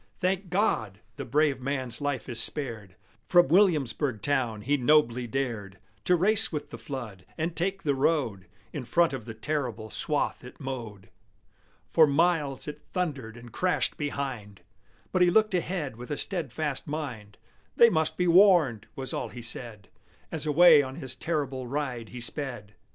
Thank God! the brave man's life is spared! From Williamsburg town he nobly dared To race with the flood, and take the road In front of the terrible swath it mowed. For miles it thundered and crashed behind, But he looked ahead with a steadfast mind: "They must be warned!" was all he said, As away on his terrible ride he sped.